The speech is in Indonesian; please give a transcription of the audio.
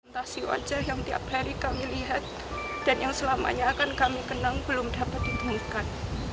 terima kasih wajah yang tiap hari kami lihat dan yang selamanya akan kami kenang belum dapat ditemukan